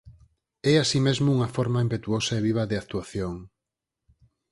É así mesmo unha forma impetuosa e viva de actuación.